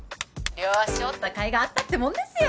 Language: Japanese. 両足折った甲斐があったってもんですよ